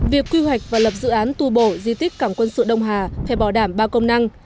việc quy hoạch và lập dự án tu bổ di tích cảng quân sự đông hà phải bỏ đảm ba công năng